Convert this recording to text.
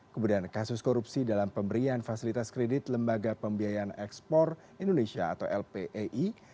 kemudian kasus korupsi dalam pemberian fasilitas kredit lembaga pembiayaan ekspor indonesia atau lpei